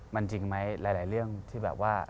มันจริงไหมหลายเรื่องที่แบบว่า